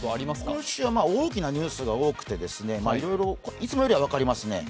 今週は大きなニュースが多くて、いろいろいつもよりは分かりますね。